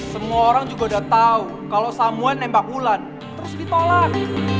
semua orang juga udah tau kalau samoan nembak ulan terus ditolak